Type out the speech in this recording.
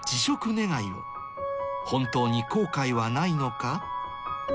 ついに本当に後悔はないのか？